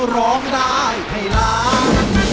ร้องได้ให้ล้าน